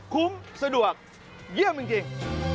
สะดวกเยี่ยมจริง